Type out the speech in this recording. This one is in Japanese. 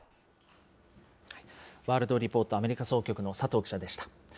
ワールドリポート、アメリカ総局の佐藤記者でした。